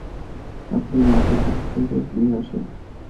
আপনি লাকিকে ফেরত নিয়ে আসেন।